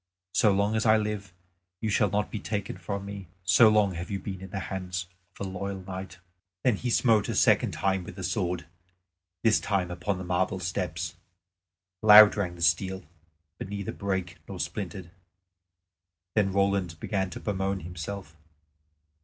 So long as I live, you shall not be taken from me, so long have you been in the hands of a loyal knight." Then he smote a second time with the sword, this time upon the marble steps. Loud rang the steel, but neither brake nor splintered. Then Roland began to bemoan himself.